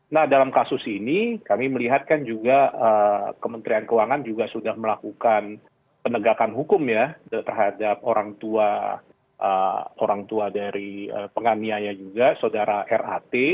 nah dalam kasus ini kami melihat kan juga kementerian keuangan juga sudah melakukan penegakan hukum ya terhadap orang tua orang tua dari penganiaya juga saudara rat